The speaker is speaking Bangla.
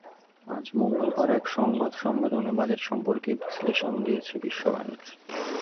আজ মঙ্গলবার এক সংবাদ সম্মেলনে বাজেট সম্পর্কে এই বিশ্লেষণ দিয়েছে বিশ্বব্যাংক।